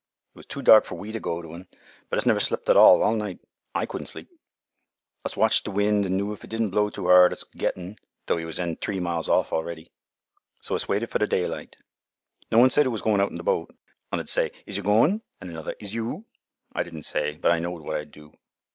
"It was too dark fur we t' go t' un, but us never slept at all, all night. I couldn' sleep. Us watched th' wind an' knew if it didn' blow too hard us could get un, though 'e was then three mile off a'ready. So us waited for th' daylight. No one said who was goin' out in th' boat. Un 'ud say, 'Is you goin'?' An' another, 'Is you?' I didn' say, but I knowed what I'd do.